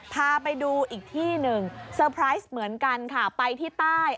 พาไปดูอีกที่หนึ่งเซอร์ไพรส์เหมือนกันค่ะไปที่ใต้